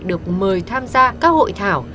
được mời tham gia các hội thảo